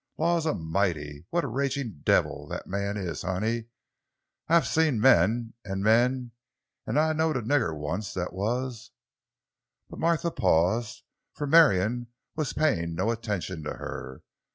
"Laws A'mighty, what a ragin' devil that man is, honey! I'se seen men an' men—an' I knowed a nigger once that was——" But Martha paused, for Marion was paying no attention to her.